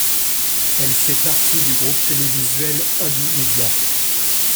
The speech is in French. Elle fait partie du groupe télévisuel On-Media.